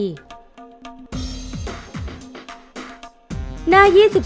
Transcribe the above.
จุดที่๓รวมภาพธนบัตรที่๙